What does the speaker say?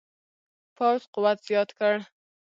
پوځ قوت زیات کړ.